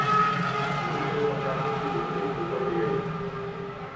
O kiwi tem uma casca peluda e polpa verde.